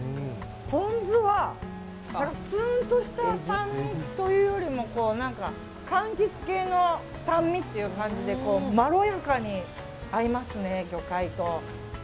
ポン酢はツーンとした酸味というよりも柑橘系の酸味っていう感じでまろやかに合いますね、魚介と。